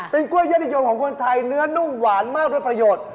เป็นกล้วยยอดนิยมของคนไทยเนื้อนุ่มหวานมากด้วยประโยชน์